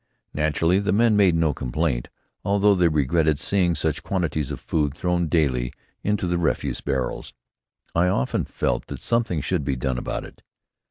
Naturally, the men made no complaint, although they regretted seeing such quantities of food thrown daily into the refuse barrels. I often felt that something should be done about it.